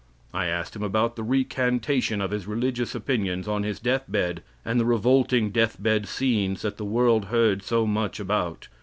I asked him about the recantation of his religious opinions on his deathbed, and the revolting deathbed scenes that the world heard so much about.